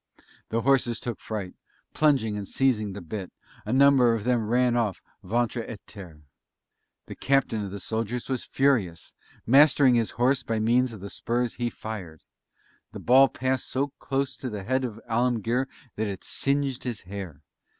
The horses took fright, plunging and seizing the bit; a number of them ran off "ventre à terre." The captain of the soldiers was furious; mastering his horse by means of the spurs, he fired. The ball passed so close to the head of Alemguir that it singed his hair.